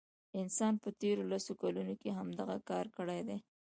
انسان په تیرو لسو کلونو کې همدغه کار کړی دی.